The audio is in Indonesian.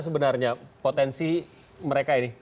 sebenarnya potensi mereka ini